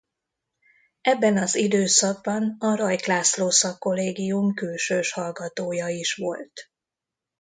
Ebben az időszakban a Rajk László Szakkollégium külsős hallgatója is volt.